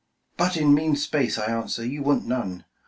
But in mean space, I answer, you want none.